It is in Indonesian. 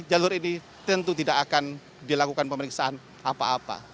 jalur ini tentu tidak akan dilakukan pemeriksaan apa apa